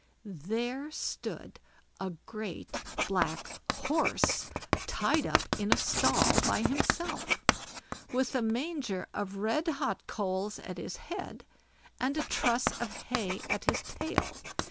There stood a great black horse tied up in a stall by himself, with a manger of red hot coals at his head, and a truss of hay at his tail.